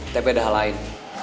tepi ada hal lain